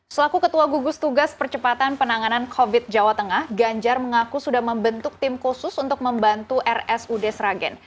selaku ketua gugus tugas percepatan penanganan covid jawa tengah ganjar mengaku sudah membentuk tim khusus untuk membantu rsud sragen